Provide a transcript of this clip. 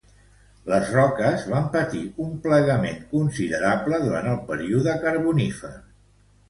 Les roques van patir un plegament considerable durant el període carbonífer.